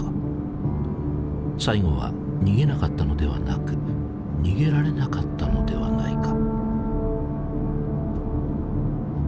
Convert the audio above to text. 最期は逃げなかったのではなく逃げられなかったのではないか。